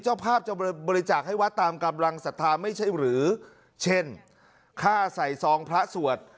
เจ้าภาพจะบริจาคให้วัดตามกำลังศรัทธาไม่ใช่หรือเช่นค่าใส่ซองพระสวด